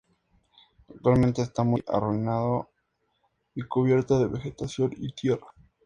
Actualmente está muy arruinado y cubierto de vegetación y tierra.